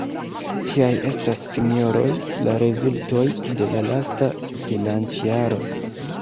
Tiaj estas, sinjoroj, la rezultoj de la lasta bilancjaro.